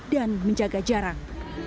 dan menjaga jarak